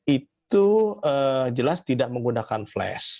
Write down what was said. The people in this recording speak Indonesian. itu jelas tidak menggunakan flash